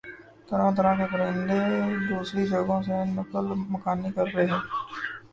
طرح طرح کے پرندے دوسری جگہوں سے نقل مکانی کرکے